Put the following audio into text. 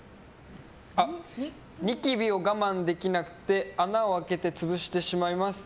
ニキビを我慢できなくて穴を開けて潰してしまいます。